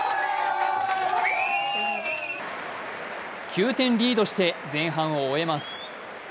９点リードして前半を終えます。